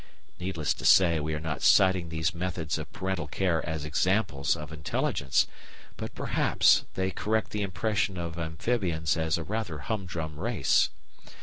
Needless to say we are not citing these methods of parental care as examples of intelligence; but perhaps they correct the impression of amphibians as a rather humdrum race.